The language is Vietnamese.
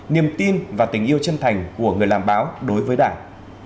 niềm tin và tình yêu chân thành của người làm báo đối với đảng